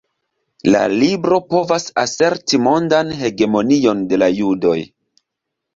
La libro provas aserti mondan hegemonion de la judoj.